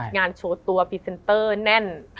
โชว์ตัวพรีเซนเตอร์แน่น